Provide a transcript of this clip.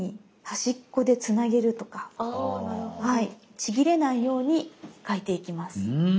ちぎれないように描いていきます。